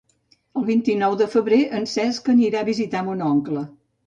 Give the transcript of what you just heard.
El vint-i-nou de febrer en Cesc anirà a visitar mon oncle.